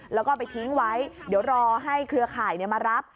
แล้วก็ไปทิ้งไว้เดี๋ยวรอให้เครือข่ายมารับ